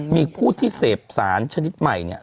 มีผู้ที่เสพสารชนิดใหม่เนี่ย